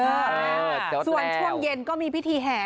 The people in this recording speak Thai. ส่วนช่วงเย็นก็มีพิธีแห่